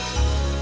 api akan seluruh